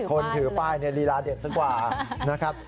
คนถือป้ายเนี่ยลีลาเดชสักว่านะครับ